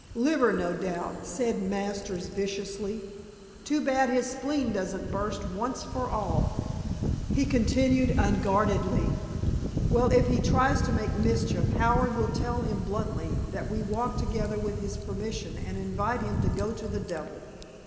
"Liver, no doubt," said Masters viciously. "Too bad his spleen doesn't burst once for all." He continued unguardedly, "Well, if he tries to make mischief, Howard will tell him bluntly that we walk together with his permission and invite him to go to the devil."